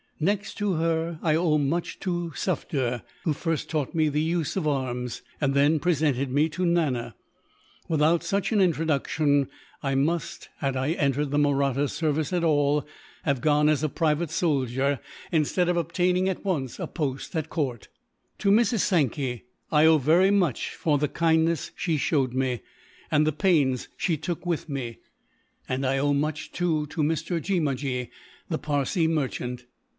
Next to her I owe much to Sufder, who first taught me the use of arms, and then presented me to Nana. Without such an introduction I must, had I entered the Mahratta service at all, have gone as a private soldier, instead of obtaining at once a post at court. "To Mrs. Sankey I owe very much for the kindness she showed me, and the pains she took with me; and I owe much, too, to Mr. Jeemajee, the Parsee merchant."